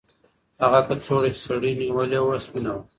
هغه کڅوړه چې سړي نیولې وه سپینه وه.